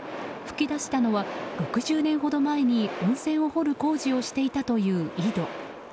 噴き出したのは６０年ほど前に温泉を掘る工事をしていたという井戸。